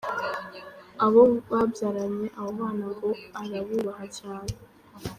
Abo babyaranye abo bana ngo arabubaha cyane.